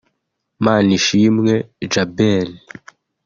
Manishimwe Djabel